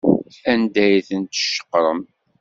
Anda ay tent-tceqrem?